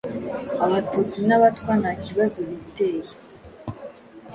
Abatutsi n'Abatwa nta kibazo biteye,